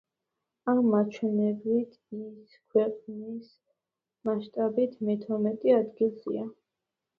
ამ მაჩვენებლით ის ქვეყნის მასშტაბით მეთორმეტე ადგილზეა.